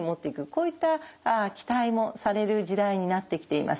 こういった期待もされる時代になってきています。